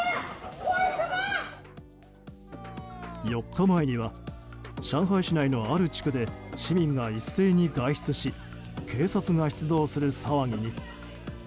４日前には上海市内のある地区で市民が一斉に外出し警察が出動する騒ぎに。